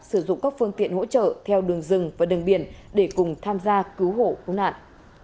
sử dụng các phương tiện hỗ trợ theo đường rừng và đường biển để cùng tham gia cứu hộ cứu nạn